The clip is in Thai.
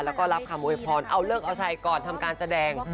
แล้วก็รับคำโวยพรเอาเลิกเอาชัยก่อนทำการแสดง